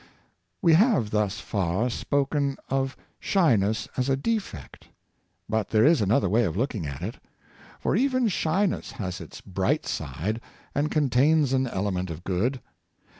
We have thus far spoken of shyness as a defect. But there is another way of looking at it ; for even shyness has its bright side, and contains an element of good.